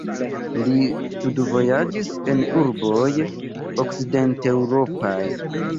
Li studvojaĝis en urboj okcidenteŭropaj.